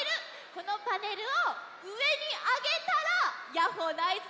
このパネルをうえにあげたら「ヤッホー」のあいずだよ！